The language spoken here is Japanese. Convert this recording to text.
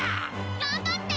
頑張って！